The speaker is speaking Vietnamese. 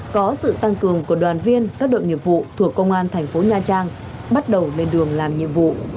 có sự tăng cường của đoàn viên các đội nghiệp vụ thuộc công an thành phố nha trang bắt đầu lên đường làm nhiệm vụ